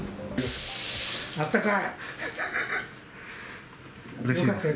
あったかい。